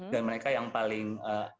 dan mereka yang paling